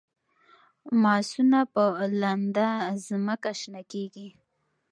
ماسونه په لنده ځمکه شنه کیږي